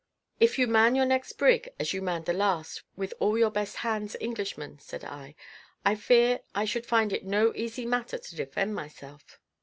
"If you man your next brig, as you manned the last, with all your best hands Englishmen," said I, "I fear I should find it no easy matter to defend myself."